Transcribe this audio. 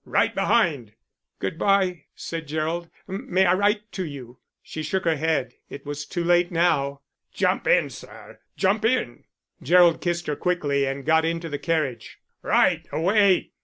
Right behind!" "Good bye," said Gerald. "May I write to you?" She shook her head. It was too late now. "Jump in, sir. Jump in." Gerald kissed her quickly and got into the carriage. "Right away!"